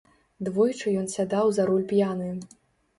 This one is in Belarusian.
Двойчы ён сядаў за руль п'яны.